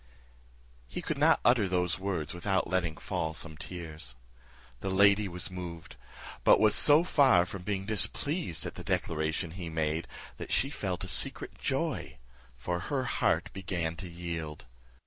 He could not utter those words without letting fall some tears. The lady was moved; but was so far from being displeased at the declaration he made, that she felt secret joy; for her heart began to yield.